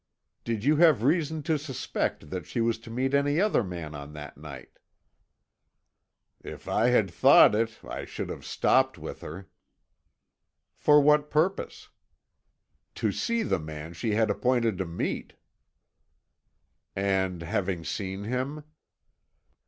"Did you have reason to suspect that she was to meet any other man on that night?" "If I had thought it, I should have stopped with her." "For what purpose?" "To see the man she had appointed to meet." "And having seen him?"